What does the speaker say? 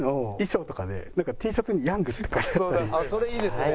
あっそれいいですね。